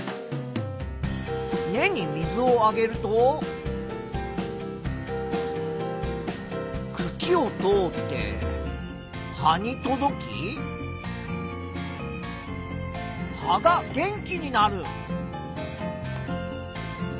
根に水をあげるとくきを通って葉に届き葉が元気になる。